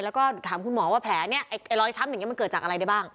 แล้วก็ถามคุณหมอว่าแผลเนี่ยไอ้รอยช้ำอย่างนี้มันเกิดจากอะไรได้บ้าง